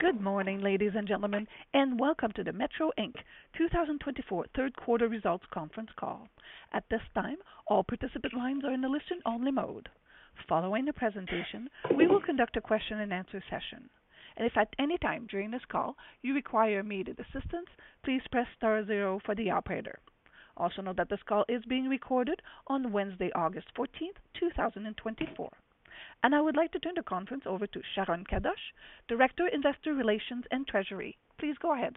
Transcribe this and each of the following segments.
Good morning, ladies and gentlemen, and welcome to the Metro Inc. 2024 Third Quarter Results Conference Call. At this time, all participant lines are in a listen-only mode. Following the presentation, we will conduct a question-and-answer session. And if at any time during this call you require immediate assistance, please press star zero for the operator. Also, note that this call is being recorded on Wednesday, August 14, 2024. And I would like to turn the conference over to Sharon Kadosh, Director, Investor Relations and Treasury. Please go ahead.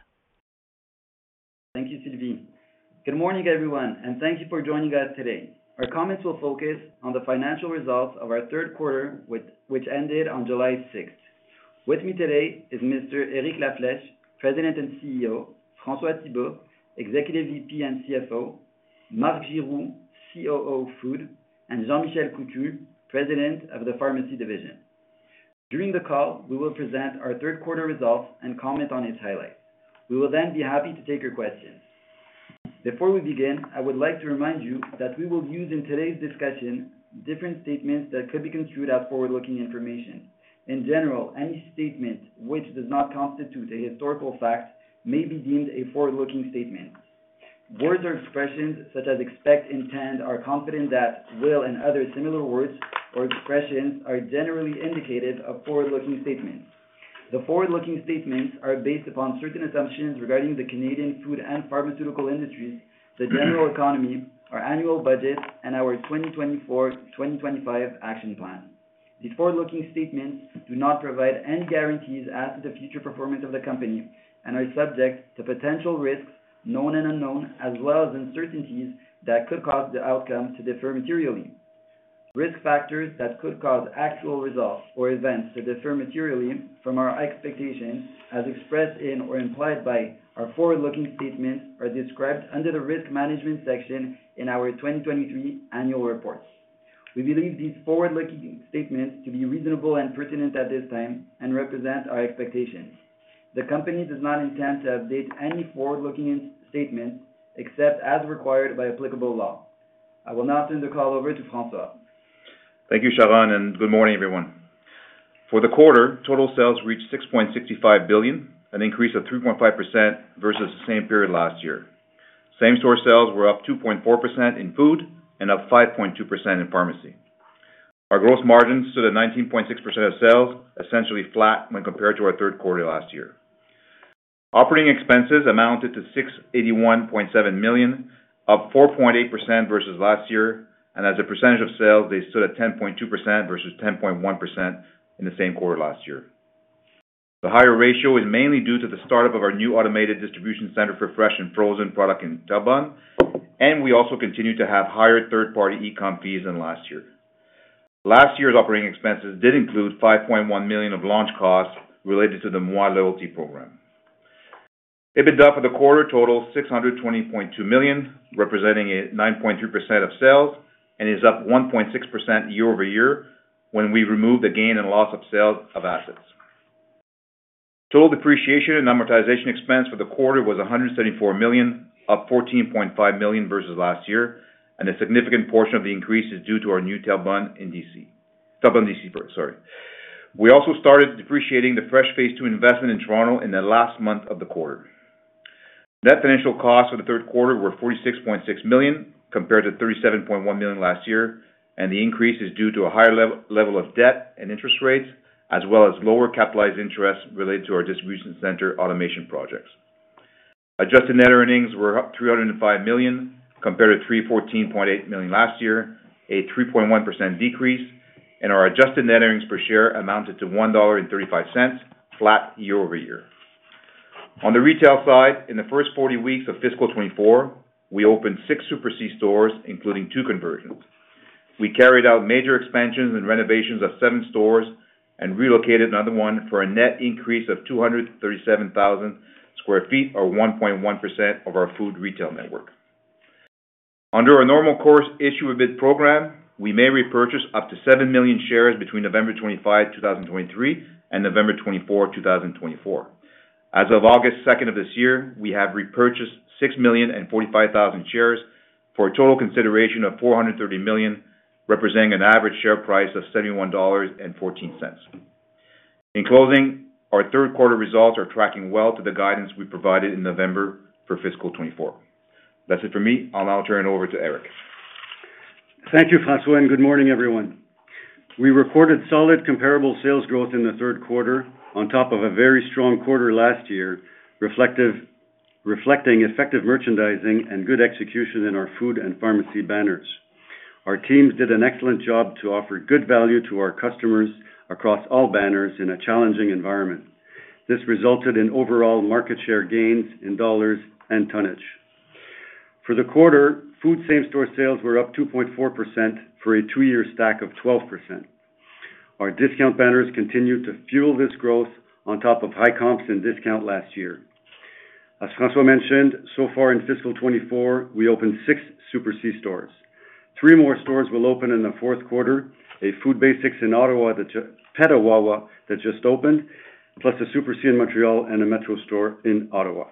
Thank you, Sylvie. Good morning, everyone, and thank you for joining us today. Our comments will focus on the financial results of our third quarter, which ended on July sixth. With me today is Mr. Eric La Flèche, President and CEO, François Thibault, Executive VP and CFO, Marc Giroux, COO, Food, and Jean-Michel Coutu, President of the Pharmacy Division. During the call, we will present our third quarter results and comment on its highlights. We will then be happy to take your questions. Before we begin, I would like to remind you that we will use, in today's discussion, different statements that could be construed as forward-looking information. In general, any statement which does not constitute a historical fact may be deemed a forward-looking statement. Words or expressions such as expect, intend, are confident that, will, and other similar words or expressions are generally indicative of forward-looking statements. The forward-looking statements are based upon certain assumptions regarding the Canadian food and pharmaceutical industries, the general economy, our annual budget, and our 2024, 2025 action plan. These forward-looking statements do not provide any guarantees as to the future performance of the company and are subject to potential risks, known and unknown, as well as uncertainties that could cause the outcome to differ materially. Risk factors that could cause actual results or events to differ materially from our expectations, as expressed in or implied by our forward-looking statements, are described under the Risk Management section in our 2023 annual reports. We believe these forward-looking statements to be reasonable and pertinent at this time and represent our expectations. The company does not intend to update any forward-looking statements except as required by applicable law. I will now turn the call over to François. Thank you, Sharon, and good morning, everyone. For the quarter, total sales reached 6.65 billion, an increase of 3.5% versus the same period last year. Same-store sales were up 2.4% in food and up 5.2% in pharmacy. Our gross margins stood at 19.6% of sales, essentially flat when compared to our third quarter last year. Operating expenses amounted to 681.7 million, up 4.8% versus last year, and as a percentage of sales, they stood at 10.2% versus 10.1% in the same quarter last year. The higher ratio is mainly due to the startup of our new automated distribution center for fresh and frozen product in Terrebonne, and we also continue to have higher third-party e-com fees than last year. Last year's operating expenses did include 5.1 million of launch costs related to the Moi loyalty program. EBITDA for the quarter totals 620.2 million, representing a 9.2% of sales, and is up 1.6% year-over-year when we remove the gain and loss of sales of assets. Total depreciation and amortization expense for the quarter was 174 million, up 14.5 million versus last year, and a significant portion of the increase is due to our new Terrebonne DC, Terrebonne DC, sorry. We also started depreciating the Fresh Phase Two investment in Toronto in the last month of the quarter. Net financial costs for the third quarter were 46.6 million, compared to 37.1 million last year, and the increase is due to a higher level of debt and interest rates, as well as lower capitalized interest related to our distribution center automation projects. Adjusted net earnings were 305 million, compared to 314.8 million last year, a 3.1% decrease, and our adjusted net earnings per share amounted to 1.35 dollar, flat year-over-year. On the retail side, in the first 40 weeks of fiscal 2024, we opened 6 Super C stores, including 2 conversions. We carried out major expansions and renovations of 7 stores and relocated another 1 for a net increase of 237,000 sq ft, or 1.1% of our food retail network. Under our normal course issuer bid program, we may repurchase up to 7 million shares between November 25, 2023, and November 24, 2024. As of August 2nd of this year, we have repurchased 6 million and 45,000 shares for a total consideration of 430 million, representing an average share price of 71.14 dollars. In closing, our third quarter results are tracking well to the guidance we provided in November for fiscal 2024. That's it for me. I'll now turn it over to Eric. Thank you, François, and good morning, everyone. We recorded solid comparable sales growth in the third quarter on top of a very strong quarter last year, reflecting effective merchandising and good execution in our food and pharmacy banners. Our teams did an excellent job to offer good value to our customers across all banners in a challenging environment. This resulted in overall market share gains in dollars and tonnage. For the quarter, food same-store sales were up 2.4% for a two-year stack of 12%. Our discount banners continued to fuel this growth on top of high comps and discount last year. As François mentioned, so far in fiscal 2024, we opened 6 Super C stores. Three more stores will open in the fourth quarter, a Food Basics in Ottawa, the Petawawa that just opened, plus a Super C in Montreal and a Metro store in Ottawa.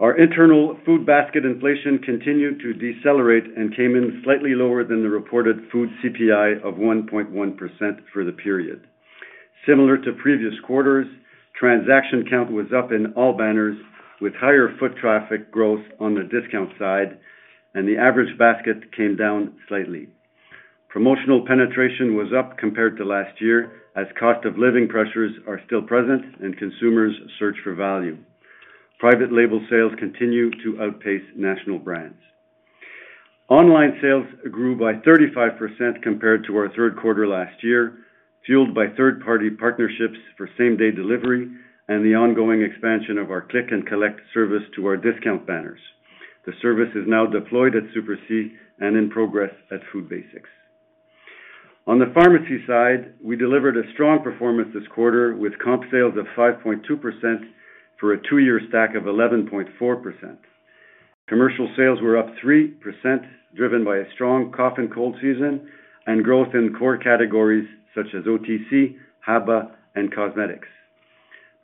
Our internal food basket inflation continued to decelerate and came in slightly lower than the reported food CPI of 1.1% for the period. Similar to previous quarters, transaction count was up in all banners, with higher foot traffic growth on the discount side, and the average basket came down slightly. Promotional penetration was up compared to last year, as cost of living pressures are still present and consumers search for value. Private label sales continue to outpace national brands. Online sales grew by 35% compared to our third quarter last year, fueled by third-party partnerships for same-day delivery and the ongoing expansion of our click and collect service to our discount banners. The service is now deployed at Super C and in progress at Food Basics. On the pharmacy side, we delivered a strong performance this quarter with comp sales of 5.2% for a two-year stack of 11.4%. Commercial sales were up 3%, driven by a strong cough and cold season and growth in core categories such as OTC, HABA, and cosmetics.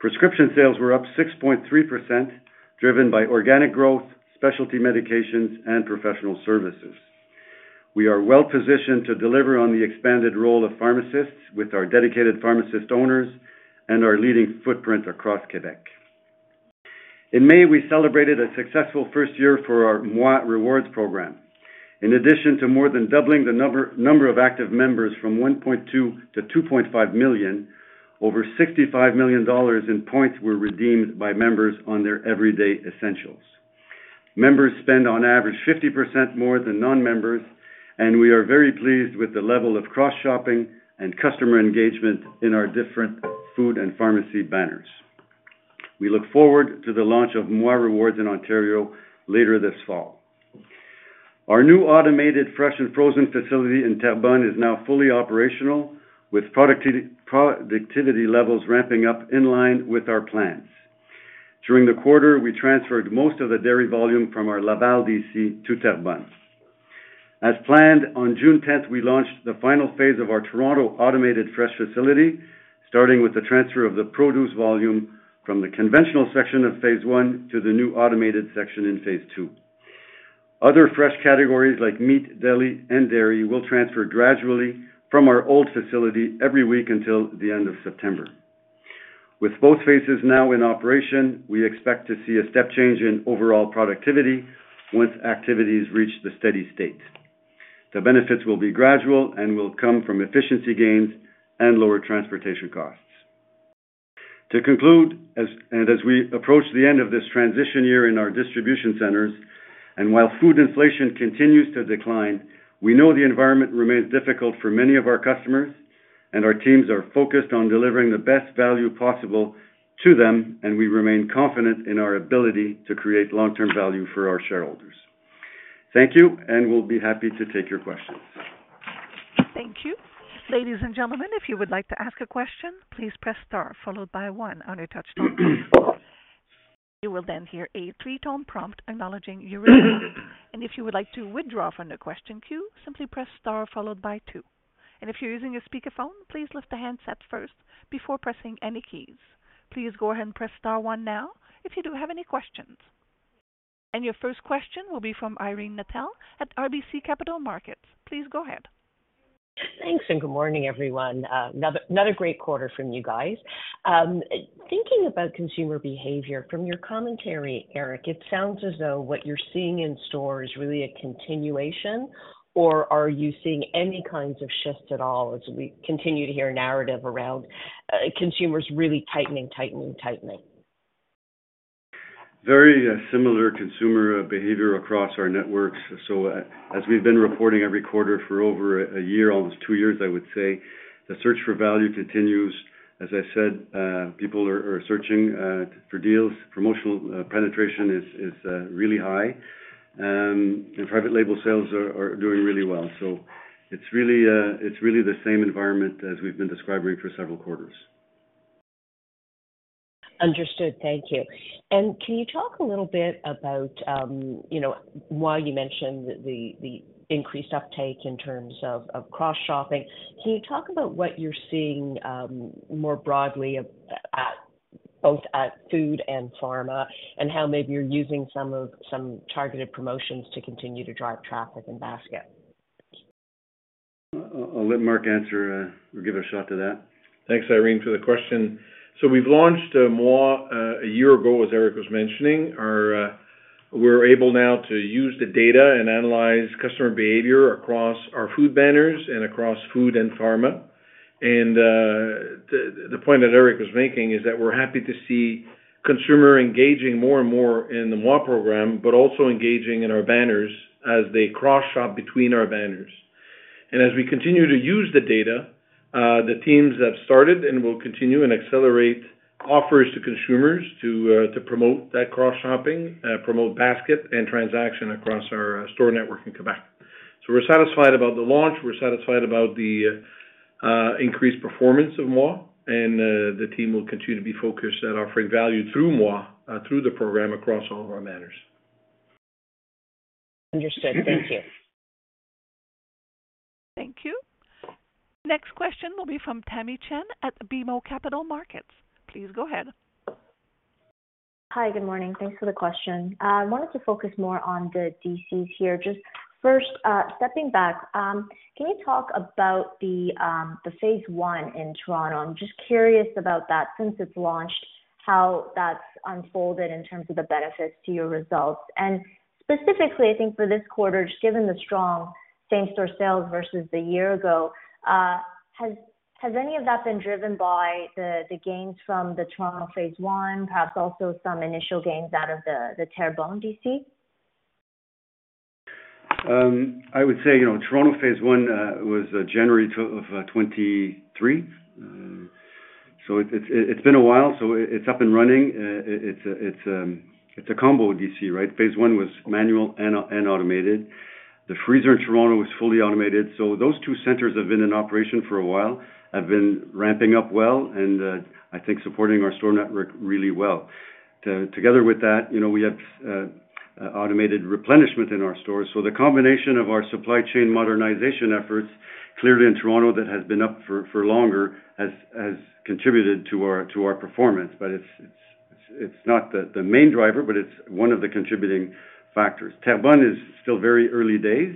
Prescription sales were up 6.3%, driven by organic growth, specialty medications, and professional services. We are well-positioned to deliver on the expanded role of pharmacists with our dedicated pharmacist owners and our leading footprint across Quebec. In May, we celebrated a successful first year for our Moi Rewards program. In addition to more than doubling the number of active members from 1.2 to 2.5 million, over 65 million dollars in points were redeemed by members on their everyday essentials. Members spend on average 50% more than non-members, and we are very pleased with the level of cross-shopping and customer engagement in our different food and pharmacy banners. We look forward to the launch of Moi Rewards in Ontario later this fall. Our new automated fresh and frozen facility in Terrebonne is now fully operational, with productivity levels ramping up in line with our plans. During the quarter, we transferred most of the dairy volume from our Laval DC to Terrebonne. As planned, on June tenth, we launched the final phase of our Toronto automated fresh facility, starting with the transfer of the produce volume from the conventional section of Phase One to the new automated section in Phase Two. Other fresh categories like meat, deli, and dairy will transfer gradually from our old facility every week until the end of September. With both phases now in operation, we expect to see a step change in overall productivity once activities reach the steady state. The benefits will be gradual and will come from efficiency gains and lower transportation costs. To conclude, and as we approach the end of this transition year in our distribution centers, and while food inflation continues to decline, we know the environment remains difficult for many of our customers, and our teams are focused on delivering the best value possible to them, and we remain confident in our ability to create long-term value for our shareholders. Thank you, and we'll be happy to take your questions. Thank you. Ladies and gentlemen, if you would like to ask a question, please press star followed by one on your touchtone. You will then hear a three-tone prompt acknowledging your request. If you would like to withdraw from the question queue, simply press star followed by two. If you're using a speakerphone, please lift the handset first before pressing any keys. Please go ahead and press star one now if you do have any questions. Your first question will be from Irene Nattel at RBC Capital Markets. Please go ahead. Thanks, and good morning, everyone. Another great quarter from you guys. Thinking about consumer behavior, from your commentary, Eric, it sounds as though what you're seeing in store is really a continuation, or are you seeing any kinds of shifts at all as we continue to hear a narrative around, consumers really tightening, tightening, tightening? Very similar consumer behavior across our networks. So as we've been reporting every quarter for over a year, almost two years, I would say, the search for value continues. As I said, people are searching for deals. Promotional penetration is really high. And private label sales are doing really well. So it's really the same environment as we've been describing for several quarters. Understood. Thank you. And can you talk a little bit about, you know, while you mentioned the increased uptake in terms of cross-shopping, can you talk about what you're seeing, more broadly at both food and pharma, and how maybe you're using some targeted promotions to continue to drive traffic and basket? I'll let Marc answer, or give a shot to that. Thanks, Irene, for the question. So we've launched Moi a year ago, as Eric was mentioning. Our-- we're able now to use the data and analyze customer behavior across our food banners and across food and pharma. And the point that Eric was making is that we're happy to see consumer engaging more and more in the Moi program, but also engaging in our banners as they cross-shop between our banners. And as we continue to use the data, the teams have started and will continue and accelerate offers to consumers to to promote that cross-shopping, promote basket and transaction across our store network in Quebec. So we're satisfied about the launch, we're satisfied about the increased performance of Moi, and the team will continue to be focused at offering value through Moi, through the program, across all of our banners. Understood. Thank you. Next question will be from Tammy Chen at BMO Capital Markets. Please go ahead. Hi, good morning. Thanks for the question. I wanted to focus more on the DCs here. Just first, stepping back, can you talk about the phase one in Toronto? I'm just curious about that, since it's launched, how that's unfolded in terms of the benefits to your results, and specifically, I think for this quarter, just given the strong same-store sales versus the year ago, has any of that been driven by the gains from the Toronto phase one, perhaps also some initial gains out of the Terrebonne DC? I would say, you know, Toronto phase one was January 2023. So it, it's been a while, so it's up and running. It's a combo DC, right? Phase one was manual and automated. The freezer in Toronto was fully automated, so those two centers have been in operation for a while, have been ramping up well and I think supporting our store network really well. Together with that, you know, we have automated replenishment in our stores. So the combination of our supply chain modernization efforts, clearly in Toronto that has been up for longer, has contributed to our performance, but it's not the main driver, but it's one of the contributing factors. Terrebonne is still very early days.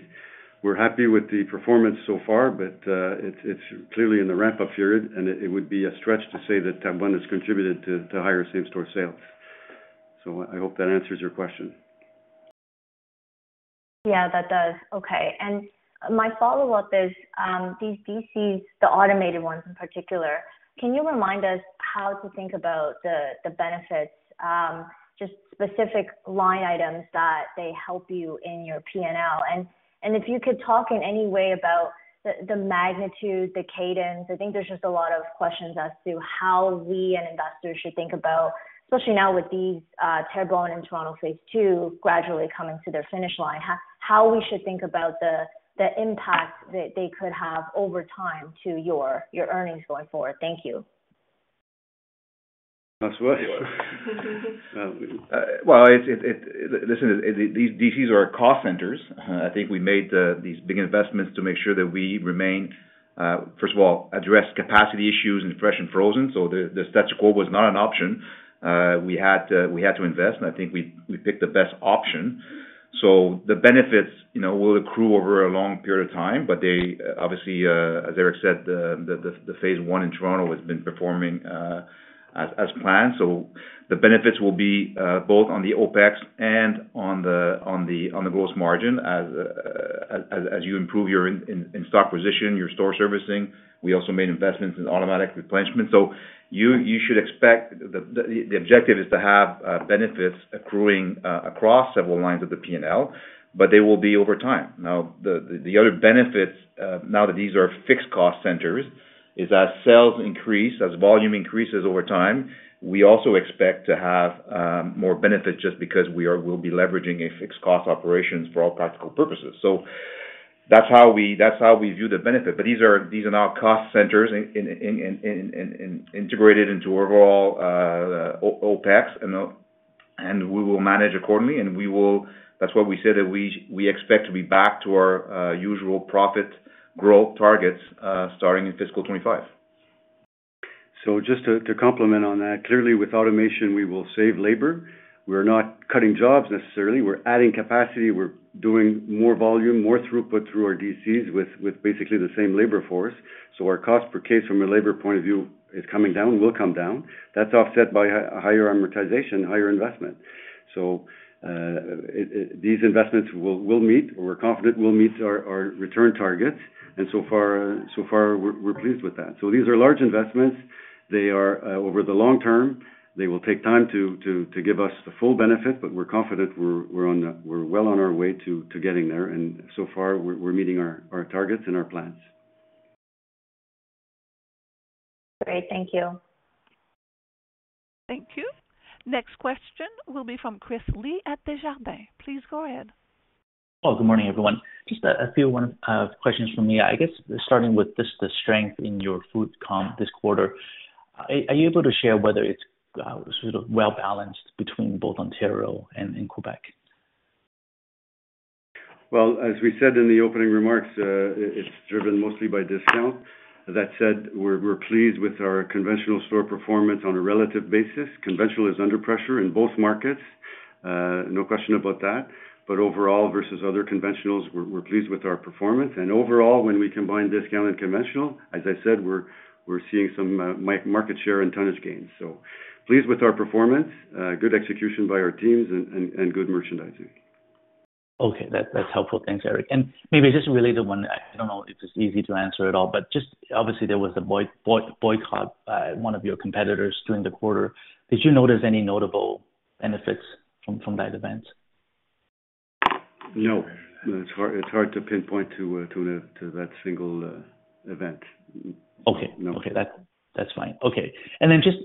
We're happy with the performance so far, but it's clearly in the ramp-up period, and it would be a stretch to say that Terrebonne has contributed to higher same-store sales. So I hope that answers your question. Yeah, that does. Okay. And my follow-up is, these DCs, the automated ones in particular, can you remind us how to think about the benefits, just specific line items that they help you in your PNL? And if you could talk in any way about the magnitude, the cadence. I think there's just a lot of questions as to how we and investors should think about, especially now with these, Terrebonne and Toronto phase two gradually coming to their finish line, how we should think about the impact that they could have over time to your earnings going forward. Thank you. That's right. Well, it, listen, these DCs are our cost centers. I think we made these big investments to make sure that we remain first of all address capacity issues in fresh and frozen. So the status quo was not an option. We had to invest, and I think we picked the best option. So the benefits, you know, will accrue over a long period of time, but they obviously as Eric said the phase one in Toronto has been performing as planned. So the benefits will be both on the OpEx and on the gross margin as you improve your in-stock position, your store servicing. We also made investments in automatic replenishment. So you should expect the objective is to have benefits accruing across several lines of the PNL, but they will be over time. Now, the other benefits, now that these are fixed cost centers, is as sales increase, as volume increases over time, we also expect to have more benefit just because we are, we'll be leveraging a fixed cost operations for all practical purposes. So that's how we view the benefit. But these are now cost centers integrated into overall OpEx, and we will manage accordingly, and we will. That's why we said that we expect to be back to our usual profit growth targets, starting in fiscal 2025. So just to complement on that, clearly with automation, we will save labor. We're not cutting jobs necessarily. We're adding capacity, we're doing more volume, more throughput through our DCs with basically the same labor force. So our cost per case from a labor point of view is coming down, will come down. That's offset by a higher amortization, higher investment. So these investments will meet, or we're confident will meet our return targets, and so far, we're pleased with that. So these are large investments. They are over the long term, they will take time to give us the full benefit, but we're confident we're on the-- we're well on our way to getting there, and so far, we're meeting our targets and our plans. Great. Thank you. Thank you. Next question will be from Chris Li at Desjardins. Please go ahead. Well, good morning, everyone. Just a few questions from me. I guess starting with just the strength in your food comp this quarter. Are you able to share whether it's sort of well balanced between both Ontario and in Quebec? Well, as we said in the opening remarks, it's driven mostly by discount. That said, we're pleased with our conventional store performance on a relative basis. Conventional is under pressure in both markets, no question about that. But overall, versus other conventionals, we're pleased with our performance. And overall, when we combine discount and conventional, as I said, we're seeing some market share and tonnage gains. So pleased with our performance, good execution by our teams and good merchandising. Okay, that's helpful. Thanks, Eric. And maybe just a related one. I don't know if it's easy to answer at all, but just obviously there was a boycott by one of your competitors during the quarter. Did you notice any notable benefits from that event? No. It's hard, it's hard to pinpoint to, to, to that single event. Okay. No. Okay, that's fine. Okay, and then just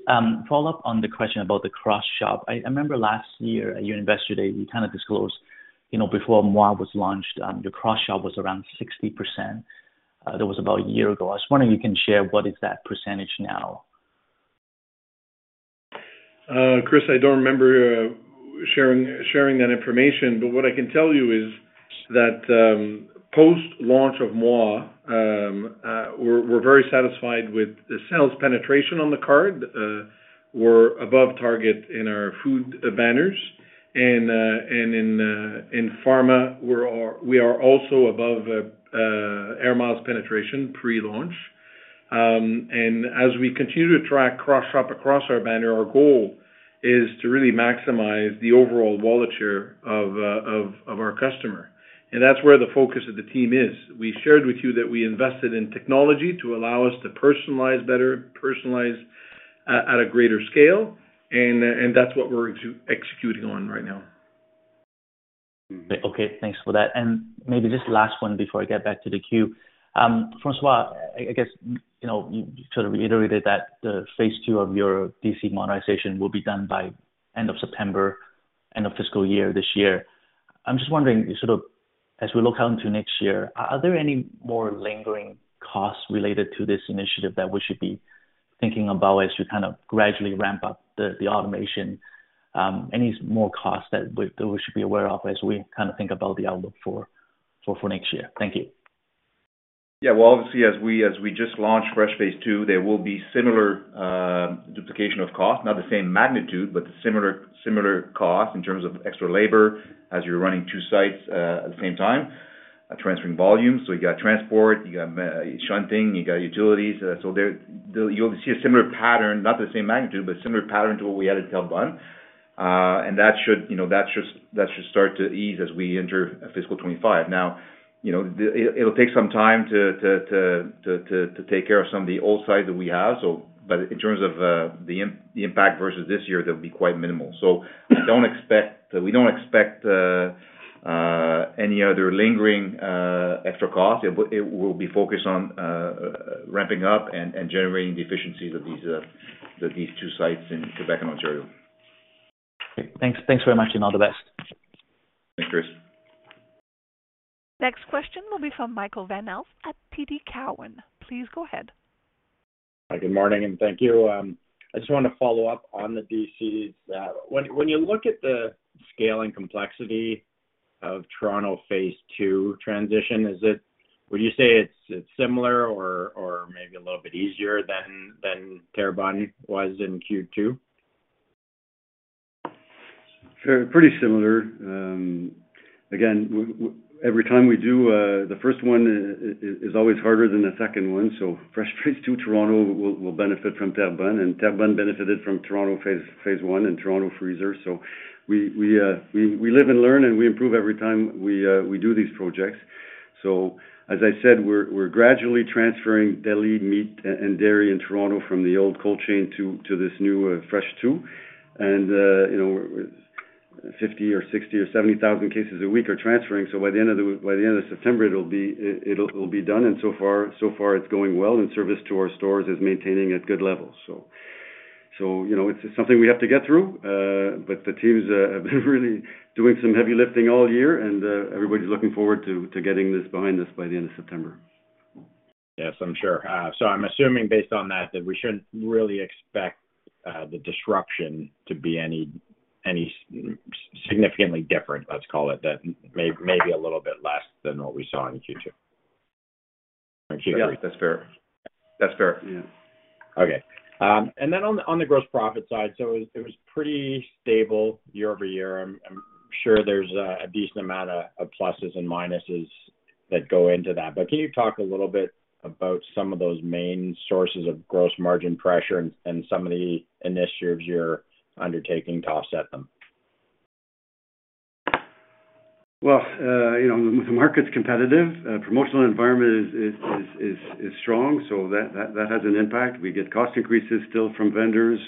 follow up on the question about the cross shop. I remember last year at your Investor Day, you kind of disclosed, you know, before Moi was launched, your cross shop was around 60%. That was about a year ago. I was wondering if you can share what is that percentage now? Chris, I don't remember sharing that information, but what I can tell you is that post-launch of Moi, we're very satisfied with the sales penetration on the card. We're above target in our food banners, and in pharma, we are also above Air Miles penetration pre-launch. And as we continue to track cross shop across our banner, our goal is to really maximize the overall wallet share of our customer. And that's where the focus of the team is. We shared with you that we invested in technology to allow us to personalize better at a greater scale, and that's what we're executing on right now. Okay, thanks for that. And maybe just last one before I get back to the queue. First of all, I guess, you know, you sort of reiterated that the phase two of your DC monetization will be done by end of September, end of fiscal year, this year. I'm just wondering, sort of, as we look out into next year, are there any more lingering costs related to this initiative that we should be thinking about as you kind of gradually ramp up the automation? Any more costs that we should be aware of as we kinda think about the outlook for next year? Thank you. Yeah, well, obviously, as we, as we just launched Fresh Phase Two, there will be similar duplication of cost. Not the same magnitude, but similar, similar costs in terms of extra labor as you're running two sites at the same time transferring volumes. So you got transport, you got shunting, you got utilities. So you'll see a similar pattern, not the same magnitude, but similar pattern to what we had at Terrebonne. And that should, you know, that should, that should start to ease as we enter fiscal 2025. Now, you know, it'll take some time to take care of some of the old sites that we have, so. But in terms of the impact versus this year, they'll be quite minimal. So we don't expect any other lingering extra cost. It will be focused on ramping up and generating the efficiencies of these two sites in Quebec and Ontario. Okay. Thanks, thanks very much, and all the best. Thanks, Chris. Next question will be from Michael Van Aelst at TD Cowen. Please go ahead. Hi, good morning, and thank you. I just want to follow up on the DCs. When, when you look at the scale and complexity of Toronto Phase Two transition, is it, would you say it's, it's similar or, or maybe a little bit easier than, than Terrebonne was in Q2? Fair - pretty similar. Again, every time we do the first one is always harder than the second one. So Fresh Phase Two, Toronto, will benefit from Terrebonne, and Terrebonne benefited from Toronto phase one and Toronto Freezer. So we live and learn, and we improve every time we do these projects. So as I said, we're gradually transferring deli, meat, and dairy in Toronto from the old cold chain to this new Fresh Two. And, you know, 50,000 or 60,000 or 70,000 cases a week are transferring. So by the end of September, it'll be done, and so far, it's going well, and service to our stores is maintaining at good levels. So, you know, it's something we have to get through, but the teams have been really doing some heavy lifting all year, and everybody's looking forward to getting this behind us by the end of September. Yes, I'm sure. So I'm assuming, based on that, that we shouldn't really expect the disruption to be any, any significantly different, let's call it, that. Maybe a little bit less than what we saw in Q2. Yeah, that's fair. That's fair, yeah. Okay. And then on the, on the gross profit side, so it, it was pretty stable year-over-year. I'm, I'm sure there's a decent amount of, of pluses and minuses that go into that, but can you talk a little bit about some of those main sources of gross margin pressure and, and some of the initiatives you're undertaking to offset them? Well, you know, the market's competitive. Promotional environment is strong, so that has an impact. We get cost increases still from vendors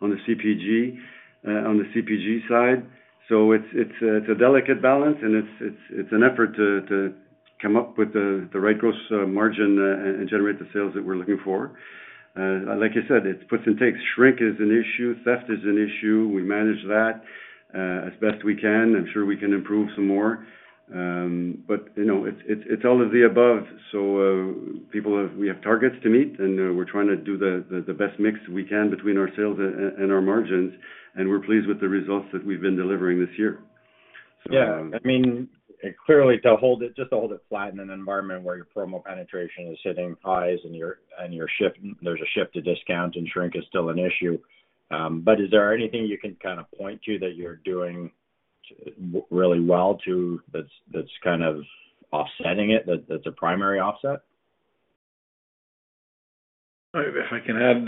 on the CPG, on the CPG side. So it's a delicate balance, and it's an effort to come up with the right gross margin, and generate the sales that we're looking for. Like you said, it's puts and takes. Shrink is an issue, theft is an issue. We manage that, as best we can. I'm sure we can improve some more. But, you know, it's all of the above. So, people have... We have targets to meet, and we're trying to do the best mix we can between our sales and our margins, and we're pleased with the results that we've been delivering this year. So, Yeah, I mean, clearly, to hold it, just to hold it flat in an environment where your promo penetration is hitting highs and your, and your shift—there's a shift to discount, and shrink is still an issue. But is there anything you can kinda point to that you're doing really well, to, that's, that's a primary offset? If I can add,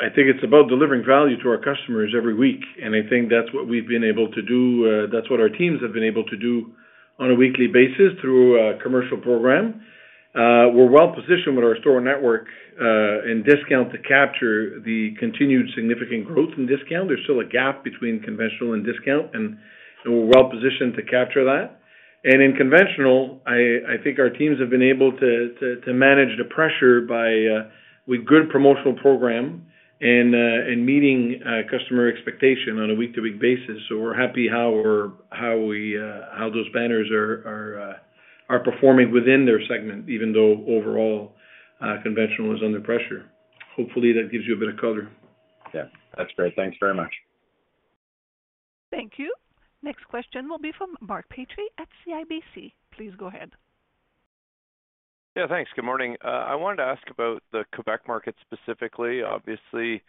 I think it's about delivering value to our customers every week, and I think that's what we've been able to do. That's what our teams have been able to do on a weekly basis through a commercial program. We're well positioned with our store network and discount to capture the continued significant growth in discount. There's still a gap between conventional and discount, and we're well positioned to capture that. And in conventional, I think our teams have been able to manage the pressure by with good promotional program and meeting customer expectation on a week-to-week basis. So we're happy how those banners are performing within their segment, even though overall conventional is under pressure. Hopefully, that gives you a bit of color. Yeah, that's great. Thanks very much. Thank you. Next question will be from Mark Petrie at CIBC. Please go ahead. Yeah, thanks. Good morning. I wanted to ask about the Quebec market specifically. Obviously,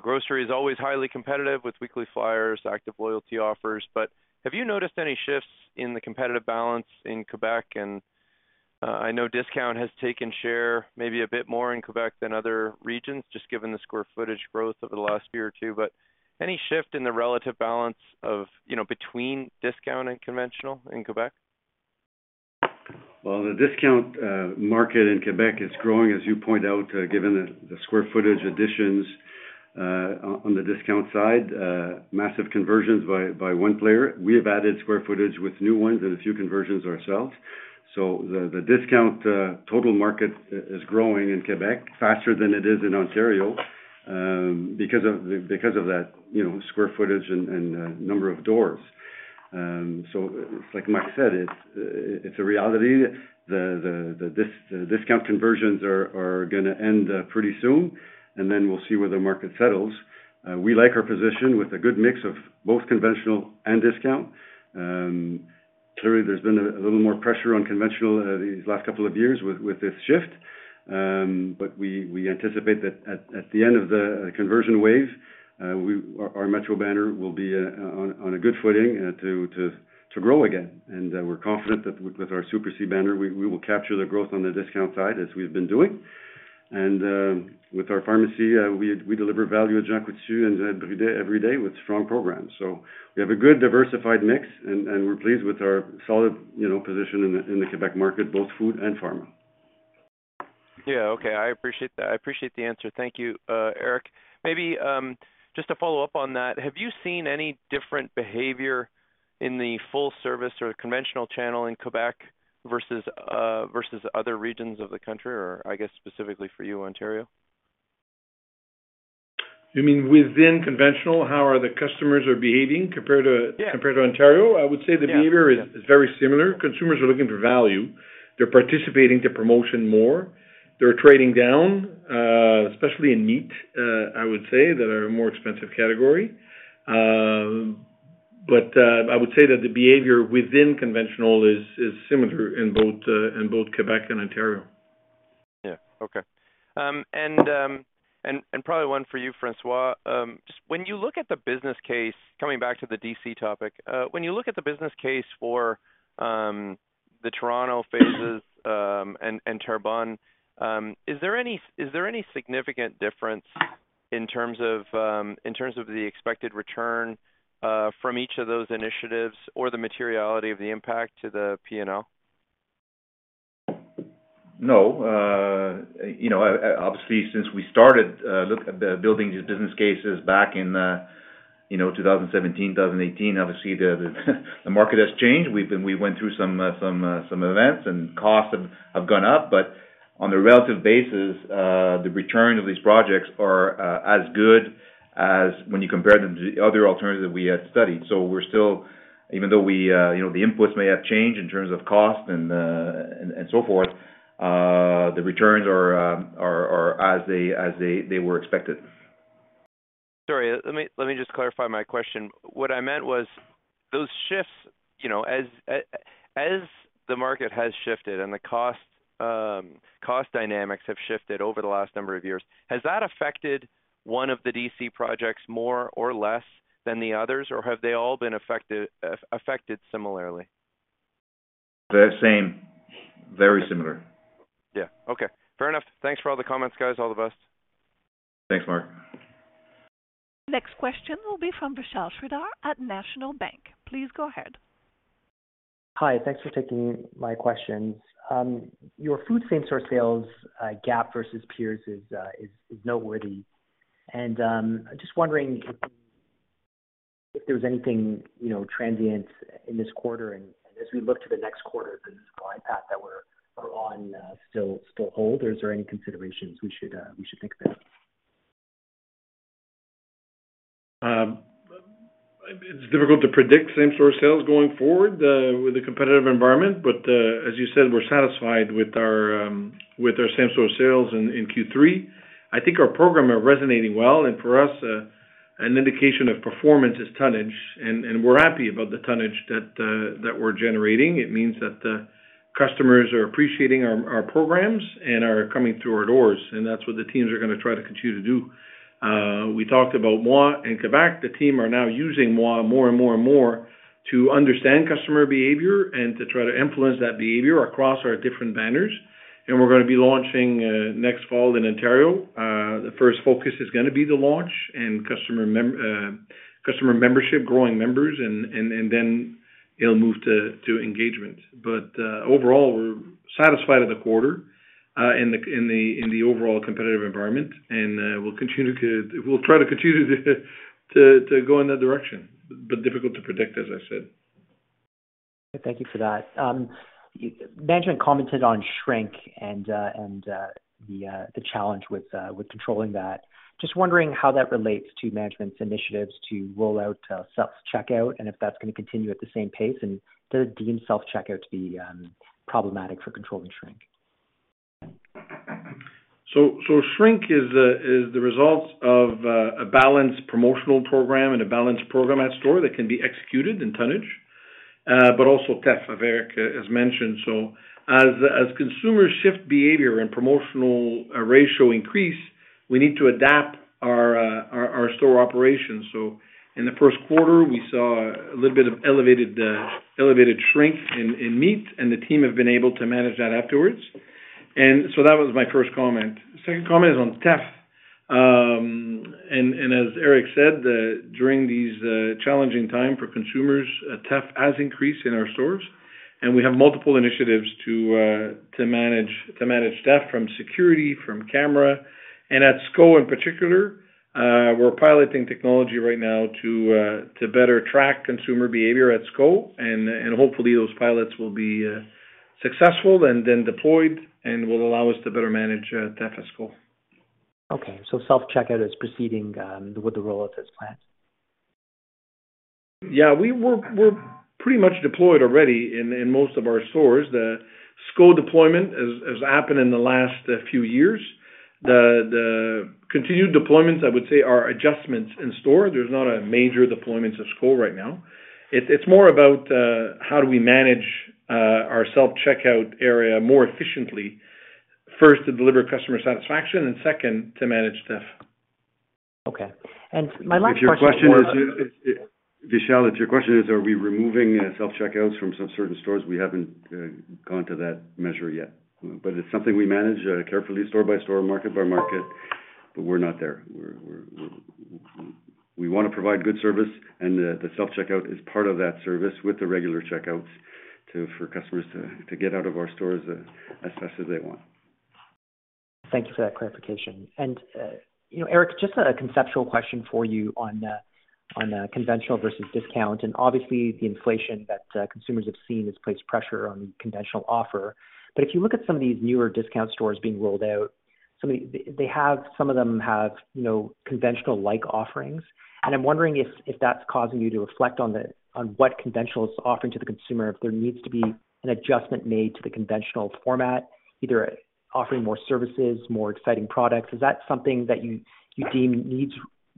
grocery is always highly competitive with weekly flyers, active loyalty offers, but have you noticed any shifts in the competitive balance in Quebec? And, I know discount has taken share, maybe a bit more in Quebec than other regions, just given the square footage growth over the last year or two, but any shift in the relative balance of, you know, between discount and conventional in Quebec? Well, the discount market in Quebec is growing, as you point out, given the square footage additions on the discount side, massive conversions by one player. We have added square footage with new ones and a few conversions ourselves. So the discount total market is growing in Quebec faster than it is in Ontario, because of that, you know, square footage and number of doors. So like Mike said, it's a reality. The discount conversions are gonna end pretty soon, and then we'll see where the market settles. We like our position with a good mix of both conventional and discount. Clearly, there's been a little more pressure on conventional these last couple of years with this shift. But we anticipate that at the end of the conversion wave, we, our Metro banner will be on a good footing to grow again. And we're confident that with our Super C banner, we will capture the growth on the discount side as we've been doing. And with our pharmacy, we deliver value at Jean Coutu and every day with strong programs. So we have a good diversified mix, and we're pleased with our solid, you know, position in the Quebec market, both food and pharma. Yeah, okay. I appreciate that. I appreciate the answer. Thank you, Eric. Maybe, just to follow up on that, have you seen any different behavior in the full service or conventional channel in Quebec versus versus other regions of the country or I guess specifically for you, Ontario? You mean within conventional, how are the customers are behaving compared to? Yeah... compared to Ontario? Yeah. I would say the behavior is very similar. Consumers are looking for value. They're participating to promotion more. They're trading down, especially in meat, I would say, that are a more expensive category. But I would say that the behavior within conventional is similar in both, in both Quebec and Ontario. Yeah, okay. And probably one for you, François. Just when you look at the business case, coming back to the DC topic, when you look at the business case for the Toronto phases, and Terrebonne, is there any significant difference in terms of the expected return from each of those initiatives or the materiality of the impact to the P&L? No. You know, obviously, since we started, looking at building these business cases back in, you know, 2017, 2018, obviously, the, the, the market has changed. We went through some, some, some events and costs have, have gone up. But on a relative basis, the return of these projects are, as good as when you compare them to the other alternatives we had studied. So we're still... Even though we, you know, the inputs may have changed in terms of cost and, and, and so forth, the returns are, are, are as they, as they, they were expected. Sorry, let me, let me just clarify my question. What I meant was, those shifts, you know, as, as the market has shifted and the cost, cost dynamics have shifted over the last number of years, has that affected one of the DC projects more or less than the others, or have they all been affected, affected similarly? The same. Very similar. Yeah. Okay, fair enough. Thanks for all the comments, guys. All the best. Thanks, Mark. Next question will be from Vishal Shreedhar at National Bank. Please go ahead. Hi, thanks for taking my questions. Your food same-store sales is noteworthy. And, just wondering if there's anything, you know, transient in this quarter and as we look to the next quarter, does the growth path that we're on still hold, or is there any considerations we should think about? It's difficult to predict same-store sales going forward with the competitive environment, but as you said, we're satisfied with our same-store sales in Q3. I think our program are resonating well, and for us, an indication of performance is tonnage, and we're happy about the tonnage that we're generating. It means that customers are appreciating our programs and are coming through our doors, and that's what the teams are gonna try to continue to do. We talked about Moi in Quebec. The team are now using Moi more and more and more to understand customer behavior and to try to influence that behavior across our different banners. We're gonna be launching next fall in Ontario. The first focus is gonna be the launch and customer membership, growing members, and then it'll move to engagement. But overall, we're satisfied with the quarter in the overall competitive environment, and we'll continue to... We'll try to continue to go in that direction, but difficult to predict, as I said. Thank you for that. Management commented on shrink and the challenge with controlling that. Just wondering how that relates to management's initiatives to roll out self-checkout, and if that's gonna continue at the same pace, and do they deem self-checkout to be problematic for controlling shrink? So shrink is the result of a balanced promotional program and a balanced program at store that can be executed in tonnage, but also theft, as Eric has mentioned. So as consumers shift behavior and promotional ratio increase, we need to adapt our store operations. So in the first quarter, we saw a little bit of elevated shrink in meat, and the team have been able to manage that afterwards. And so that was my first comment. Second comment is on theft. And as Eric said, during these challenging time for consumers, theft has increased in our stores, and we have multiple initiatives to manage theft from security, from camera. At SCO, in particular, we're piloting technology right now to better track consumer behavior at SCO, and hopefully those pilots will be successful and then deployed and will allow us to better manage theft at SCO. Okay, so self-checkout is proceeding with the rollout as planned? Yeah, we're pretty much deployed already in most of our stores. The SCO deployment has happened in the last few years. The continued deployments, I would say, are adjustments in store. There's not a major deployment of SCO right now. It's more about how do we manage our self-checkout area more efficiently, first, to deliver customer satisfaction, and second, to manage theft. Okay. And my last question- If your question is, Vishal, are we removing self-checkouts from some certain stores? We haven't gone to that measure yet, but it's something we manage carefully, store by store, market by market, but we're not there. We're, we wanna provide good service, and the self-checkout is part of that service with the regular checkouts to, for customers to get out of our stores as fast as they want. Thank you for that clarification. And, you know, Eric, just a conceptual question for you on conventional versus discount, and obviously the inflation that consumers have seen has placed pressure on conventional offer. But if you look at some of these newer discount stores being rolled out, some of the... They have, some of them have, you know, conventional-like offerings. And I'm wondering if, if that's causing you to reflect on the, on what conventional is offering to the consumer, if there needs to be an adjustment made to the conventional format, either offering more services, more exciting products. Is that something that you, you deem needs,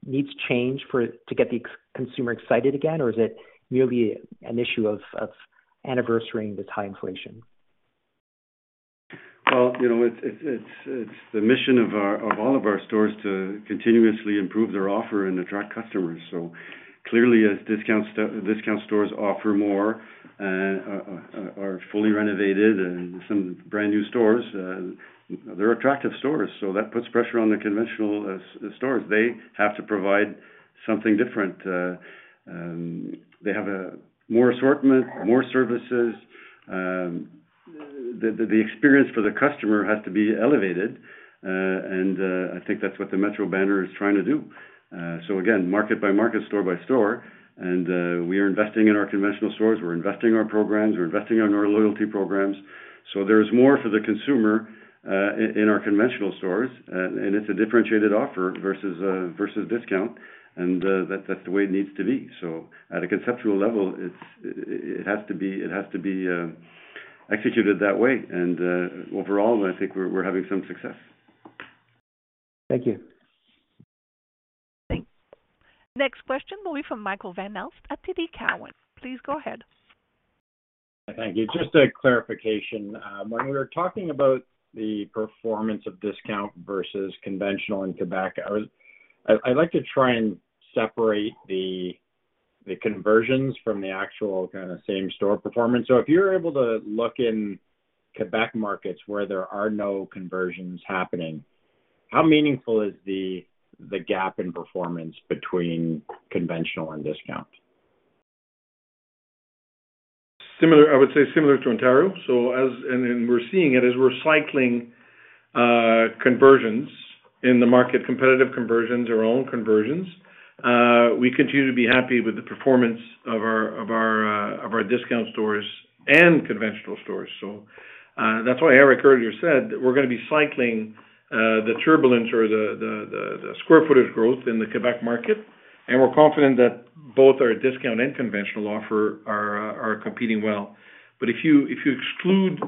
needs change for, to get the ex-consumer excited again? Or is it merely an issue of, of anniversarying the high inflation? Well, you know, it's the mission of all of our stores to continuously improve their offer and attract customers. So clearly, as discount stores offer more and are fully renovated and some brand new stores, they're attractive stores, so that puts pressure on the conventional stores. They have to provide something different. They have a more assortment, more services, the experience for the customer has to be elevated, and I think that's what the Metro banner is trying to do. So again, market by market, store by store, and we are investing in our conventional stores, we're investing in our programs, we're investing in our loyalty programs. So there's more for the consumer in our conventional stores, and it's a differentiated offer versus discount, and that's the way it needs to be. So at a conceptual level, it's it has to be, it has to be executed that way. And overall, I think we're having some success. Thank you. Thank you. Next question will be from Michael Van Aelst at TD Cowen. Please go ahead. Thank you. Just a clarification. When we were talking about the performance of discount versus Conventional in Quebec, I'd like to try and separate the conversions from the actual kind of same-store performance. So if you're able to look in Quebec markets where there are no conversions happening, how meaningful is the gap in performance between conventional and discount? Similar, I would say similar to Ontario. So as we're cycling conversions in the market, competitive conversions or own conversions, we continue to be happy with the performance of our discount stores and conventional stores. So that's why Eric earlier said that we're gonna be cycling the turbulence or the square footage growth in the Quebec market, and we're confident that both our discount and conventional offer are competing well. But if you exclude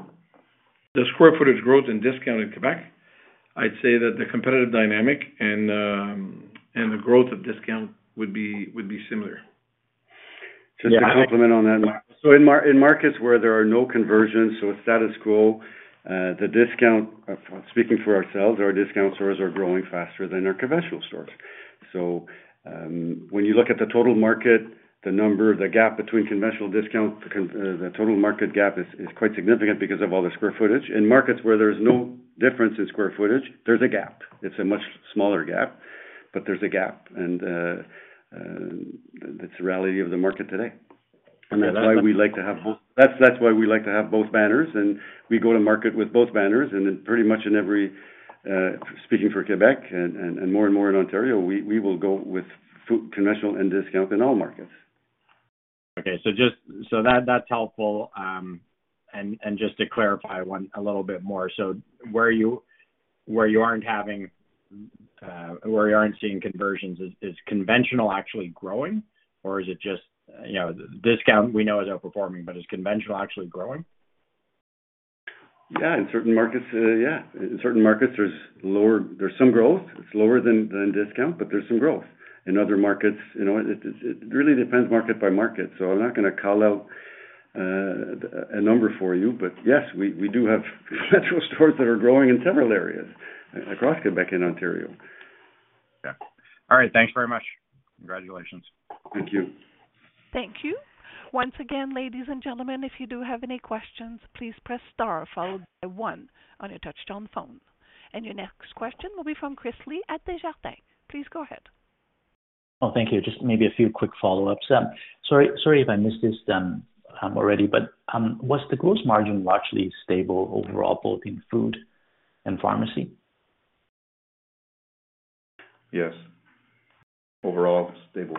the square footage growth and discount in Quebec, I'd say that the competitive dynamic and the growth of discount would be similar. Just to complement on that, Mike. So in markets where there are no conversions, so it's status quo, the discount, speaking for ourselves, our discount stores are growing faster than our conventional stores. So, when you look at the total market, the number, the gap between conventional discount, the total market gap is quite significant because of all the square footage. In markets where there's no difference in square footage, there's a gap. It's a much smaller gap, but there's a gap, and, that's the reality of the market today. And that's why we like to have both. That's why we like to have both banners, and we go to market with both banners, and then pretty much in every, speaking for Quebec and more and more in Ontario, we will go with food, conventional and discount in all markets. Okay. So just so that, that's helpful. And just to clarify one a little bit more. So where you aren't seeing conversions, is conventional actually growing, or is it just, you know, discount we know is outperforming, but is conventional actually growing? Yeah, in certain markets, yeah, in certain markets there's some growth. It's lower than discount, but there's some growth. In other markets, you know, it really depends market by market, so I'm not gonna call out a number for you. But yes, we do have Metro stores that are growing in several areas across Quebec and Ontario. Yeah. All right, thanks very much. Congratulations. Thank you. Thank you. Once again, ladies and gentlemen, if you do have any questions, please press star followed by one on your touchtone phone. And your next question will be from Chris Li at Desjardins. Please go ahead. Oh, thank you. Just maybe a few quick follow-ups. Sorry if I missed this already, but was the gross margin largely stable overall, both in food and pharmacy? Yes. Overall, stable.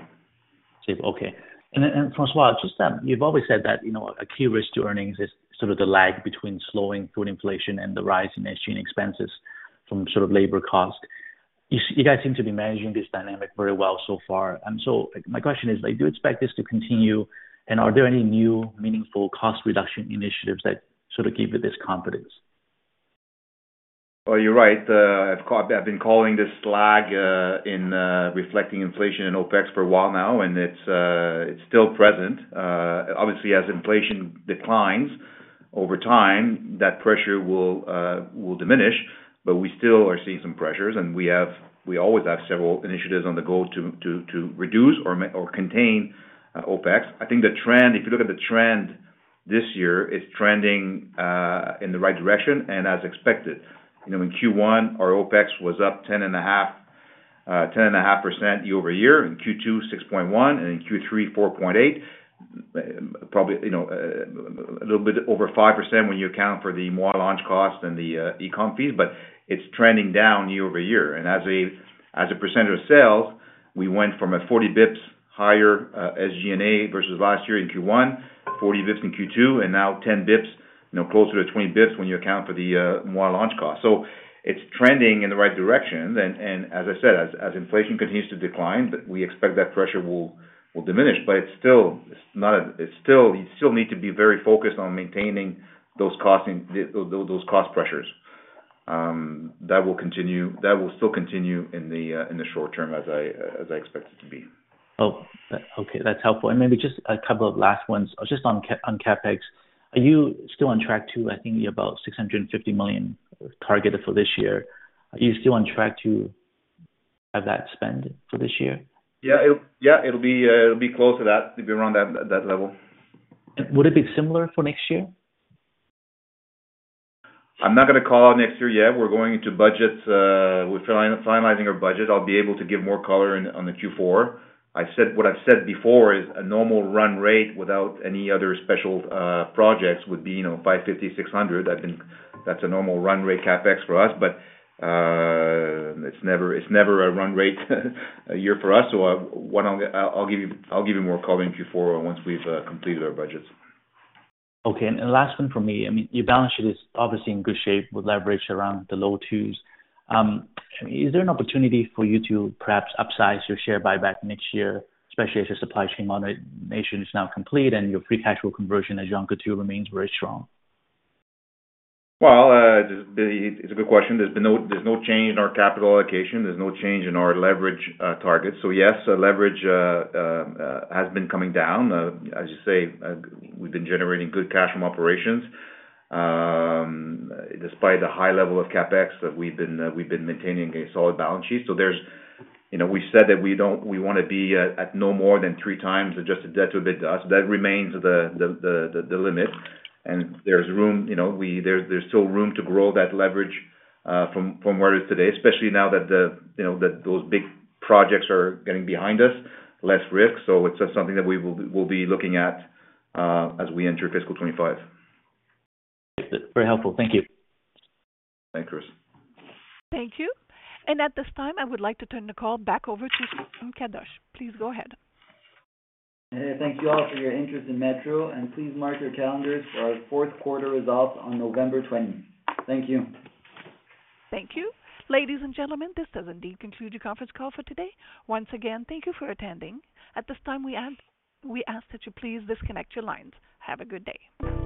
Stable, okay. And then, and François, just, you've always said that, you know, a key risk to earnings is sort of the lag between slowing food inflation and the rise in SG&A expenses from sort of labor cost. You guys seem to be managing this dynamic very well so far. And so my question is, like, do you expect this to continue? And are there any new meaningful cost reduction initiatives that sort of give you this confidence? Oh, you're right. I've been calling this lag in reflecting inflation in OpEx for a while now, and it's still present. Obviously, as inflation declines over time, that pressure will diminish, but we still are seeing some pressures, and we have we always have several initiatives on the go to reduce or contain OpEx. I think the trend, if you look at the trend this year, it's trending in the right direction and as expected. You know, in Q1, our OpEx was up 10.5% year-over-year, in Q2, 6.1%, and in Q3, 4.8%. Probably, you know, a little bit over 5% when you account for the Moi launch cost and the, e-com fees, but it's trending down year-over-year. And as a percentage of sales, we went from a 40 BPS higher, SG&A versus last year in Q1, 40 BPS in Q2, and now 10 BPS, you know, closer to 20 BPS when you account for the, Moi launch cost. So it's trending in the right direction. And as I said, as inflation continues to decline, we expect that pressure will diminish, but it's still, it's not a... It's still- you still need to be very focused on maintaining those costs, those cost pressures. That will continue, that will still continue in the, in the short term, as I expect it to be. Oh, okay, that's helpful. And maybe just a couple of last ones. Just on CapEx, are you still on track to, I think, about 650 million targeted for this year? Are you still on track to have that spend for this year? Yeah, it'll be close to that, it'll be around that level. Would it be similar for next year? I'm not gonna call out next year yet. We're going into budgets. We're finalizing our budget. I'll be able to give more color on, on the Q4. I've said what I've said before is a normal run rate without any other special projects would be, you know, 550, 600. I think that's a normal run rate CapEx for us, but it's never, it's never a run rate a year for us, so I, why don't I, I'll give you, I'll give you more color in Q4 once we've completed our budgets. Okay, and last one for me. I mean, your balance sheet is obviously in good shape with leverage around the low twos. Is there an opportunity for you to perhaps upsize your share buyback next year, especially as your supply chain modernization is now complete and your free cash flow conversion as Jean Coutu remains very strong? Well, it's a good question. There's no change in our capital allocation. There's no change in our leverage target. So yes, leverage has been coming down. As you say, we've been generating good cash from operations. Despite the high level of CapEx, we've been maintaining a solid balance sheet. So there's... You know, we said that we wanna be at no more than three times adjusted debt to EBITDA. So that remains the limit, and there's room, you know, there's still room to grow that leverage from where it is today, especially now that those big projects are getting behind us, less risk. So it's just something that we'll be looking at as we enter fiscal 2025. Very helpful. Thank you. Thanks, Chris. Thank you. At this time, I would like to turn the call back over to you, Sharon Kadosh. Please go ahead. Hey, thank you all for your interest in Metro, and please mark your calendars for our fourth quarter results on November 20th. Thank you. Thank you. Ladies and gentlemen, this does indeed conclude your conference call for today. Once again, thank you for attending. At this time, we ask, we ask that you please disconnect your lines. Have a good day.